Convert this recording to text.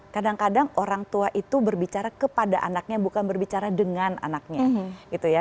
kadang kadang orang tua itu berbicara kepada anaknya bukan berbicara dengan anaknya gitu ya